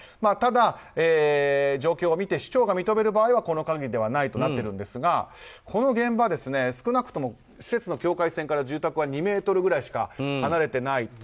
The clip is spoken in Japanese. ただ、状況を見て市長が認める場合はこの限りではないとなっているんですがこの現場、少なくとも施設の境界線から住宅は２ｍくらいしか離れていない。